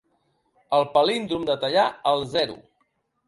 El palíndrom de tallar al zero.